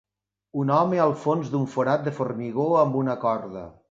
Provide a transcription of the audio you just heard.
un home al fons d'un forat de formigó amb una corda.